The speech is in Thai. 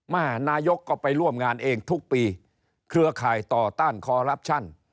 นายกก็ไปร่วมงานเองทุกปีเครือข่ายต่อต้านคอรับชัน